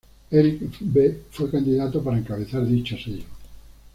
Eric B. fue candidato para encabezar dicho sello.